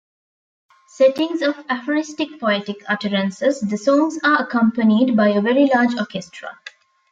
Settings of aphoristic poetic utterances, the songs are accompanied by a very large orchestra.